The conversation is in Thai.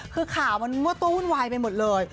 คือข่าวมันมั่วตู้วุ่นวายไปหมดเลย